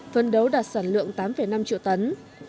phân đấu đạt sản lượng tám năm triệu tấn